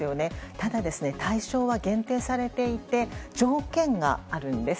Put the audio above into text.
ただ、対象は限定されていて条件があるんです。